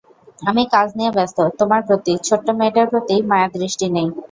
আমি কাজ নিয়ে ব্যস্ত, তোমার প্রতি, ছোট্ট মেয়েটার প্রতি মায়ার দৃষ্টি নেই।